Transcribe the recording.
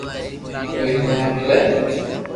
تو ھي ھڻاو وي لي